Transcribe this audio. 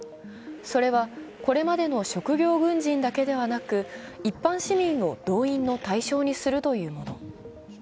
それは、これまでの職業軍人だけではなく一般市民を動員の対象にするというもの。